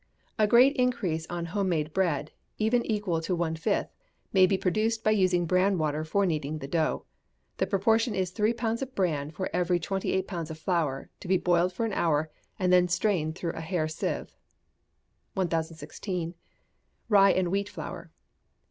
A great increase on Home made Bread, even equal to one fifth, may be produced by using bran water for kneading the dough. The proportion is three pounds of bran for every twenty eight pounds of flour, to be boiled for an hour, and then strained through a hair sieve. 1016. Rye and Wheat Flour.